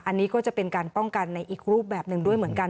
อันนี้ก็จะเป็นการป้องกันในอีกรูปแบบหนึ่งด้วยเหมือนกัน